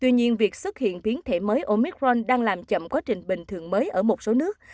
tuy nhiên việc xuất hiện biến thể mới omicron đang làm chậm quá trình bình thường mới ở một số nước